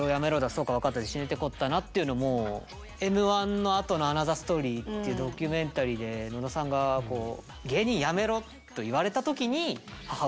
そうか分かったぜ死ねってこったな？」っていうのもＭ−１のあとのアナザーストーリーっていうドキュメンタリーで野田さんが「芸人やめろ」と言われた時に母親に返したと。